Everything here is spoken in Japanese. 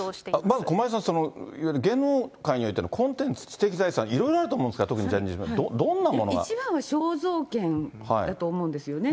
まず駒井さん、いわゆる芸能界においてのコンテンツ、知的財産、いろいろあると思うんですが、特にジャニーズ事務所、一番は肖像権だと思うんですよね。